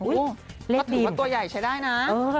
ก็ถือว่าตัวใหญ่ใช้ได้นะ